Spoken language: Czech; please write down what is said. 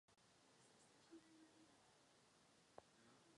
Vystudovala psychologii na Kalifornské univerzitě v Berkeley.